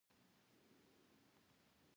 د ټوریسټانو بسونه به وګورئ.